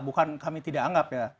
bukan kami tidak anggap ya